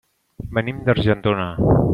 Venim d'Argentona.